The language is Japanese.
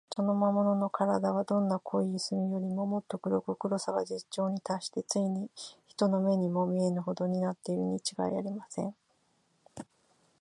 その魔物のからだは、どんな濃い墨よりも、もっと黒く、黒さが絶頂にたっして、ついに人の目にも見えぬほどになっているのにちがいありません。